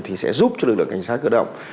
thì sẽ giúp cho lực lượng cảnh sát cơ động